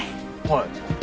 はい。